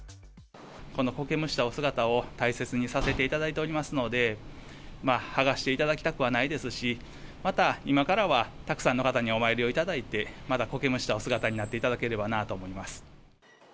このこけむしたお姿を大切にさせていただいておりますので、剥がしていただきたくはないですし、また、今からはたくさんの方にお参りをいただいて、またこけむしたお姿になっていただければなと思います。